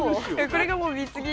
これがもう貢ぎ。